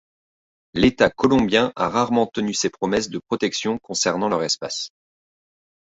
L'État colombien a rarement tenu ses promesses de protection concernant leur espace.